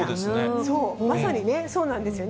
そう、まさにね、そうなんですよね。